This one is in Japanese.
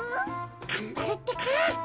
がんばるってか。